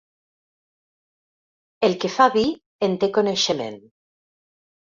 El que fa vi en té coneixement.